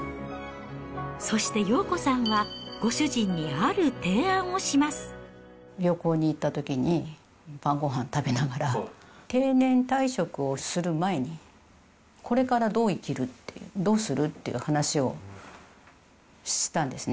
そして洋子さんは、旅行に行ったときに、晩ごはん食べながら、定年退職をする前に、これからどう生きる？っていう、どうする？っていう話をしたんですね。